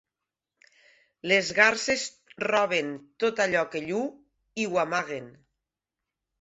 Les garses roben tot allò que lluu i ho amaguen.